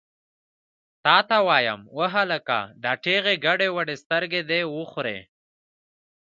تا ته وایم، وهلکه! دا ټېغې ګډې وډې سترګې دې وخورې!